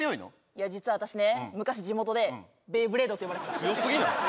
いや実は私ね昔地元でベイブレードって呼ばれてた強すぎない？